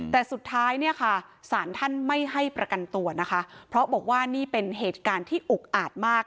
แต่สุดท้ายเนี่ยค่ะสารท่านไม่ให้ประกันตัวนะคะเพราะบอกว่านี่เป็นเหตุการณ์ที่อุกอาจมาก